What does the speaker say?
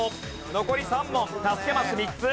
残り３問助けマス３つ。